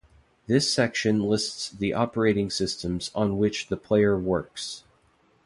This section lists the operating systems on which the player works.